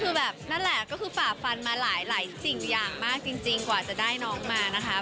คือแบบนั่นแหละก็คือฝ่าฟันมาหลายสิ่งอย่างมากจริงกว่าจะได้น้องมานะคะ